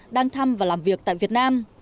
đang thăm và làm việc tại việt nam